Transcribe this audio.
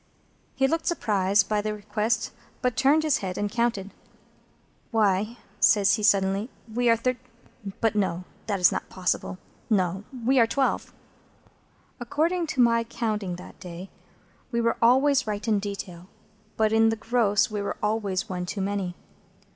He looked surprised by the request, but turned his head and counted. "Why," says he, suddenly, "we are Thirt—; but no, it's not possible. No. We are twelve." According to my counting that day, we were always right in detail, but in the gross we were always one too many.